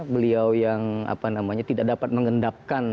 beliau yang apa namanya tidak dapat mengendapkan